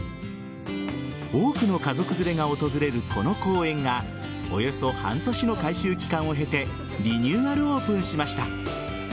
多くの家族連れが訪れるこの公園がおよそ半年の改修期間を経てリニューアルオープンしました。